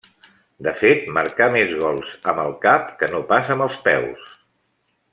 De fet marcà més gols amb el cap que no pas amb els peus.